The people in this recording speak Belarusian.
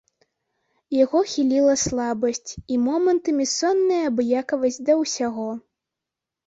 Яго хіліла слабасць і момантамі сонная абыякавасць да ўсяго.